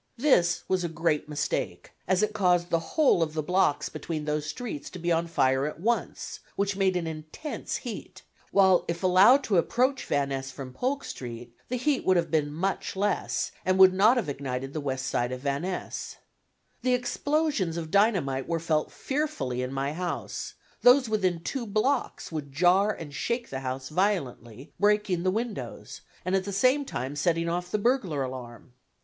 This was a great mistake, as it caused the whole of the blocks between those streets to be on fire at once, which made an intense heat, while if allowed to approach Van Ness from Polk Street the heat would have been much less, and would not have ignited the west side of Van Ness. The explosions of dynamite were felt fearfully in my house; those within two blocks would jar and shake the house violently, breaking the windows, and at the same time setting off the burglar alarm.